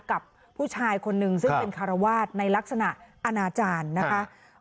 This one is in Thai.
กับผู้ชายคนนึงซึ่งเป็นคารวาสในลักษณะอนาจารย์นะคะ